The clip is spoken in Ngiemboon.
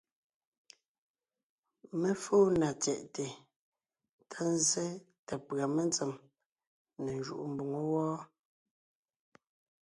Mé fóo na tsyɛ̀ʼte ta zsé ta pʉ̀a metsem ne njúʼu mboŋó wɔ́,